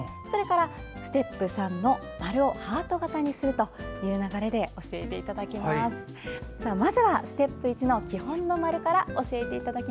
ステップ３の丸をハート形にするという流れで教えていただきます。